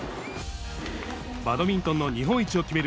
バドミントンの日本一を決める